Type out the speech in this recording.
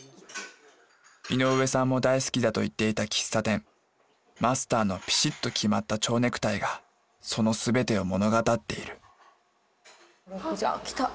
井上さんも大好きだと言っていた喫茶店マスターのピシッと決まった蝶ネクタイがその全てを物語っているあっ来た。